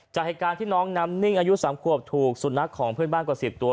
จากเหตุการณ์ที่น้องน้ำนิ่งอายุ๓ขวบถูกสุนัขของเพื่อนบ้านกว่า๑๐ตัว